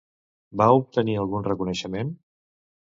Va obtenir algun reconeixement?